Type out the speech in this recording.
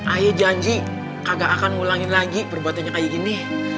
ayah janji agak akan ngulangin lagi perbuatannya kayak gini